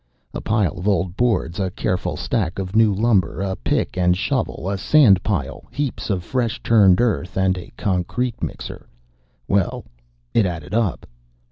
A pile of old boards, a careful stack of new lumber, a pick and shovel, a sand pile, heaps of fresh turned earth, and a concrete mixer well, it added up.